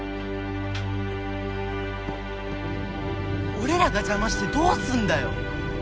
俺らが邪魔してどうすんだよ！